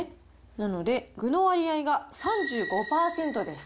なので具の割合が３５％です。